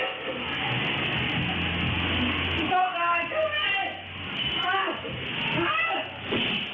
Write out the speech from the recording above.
งานน่าเหมือนกระเจิง